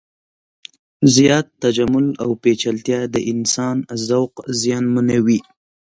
زیات تجمل او پیچلتیا د انسان ذوق زیانمنوي.